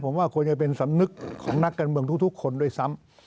ผมว่าควรจะเป็นสำนึกของนักการเมืองทุกคนด้วยซ้ำ